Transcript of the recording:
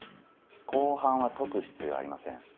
後半は解く必要ありません。